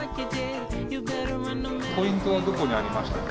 ポイントはどこにありましたか？